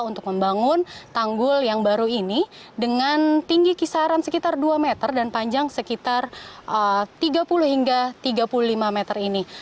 untuk membangun tanggul yang baru ini dengan tinggi kisaran sekitar dua meter dan panjang sekitar tiga puluh hingga tiga puluh lima meter ini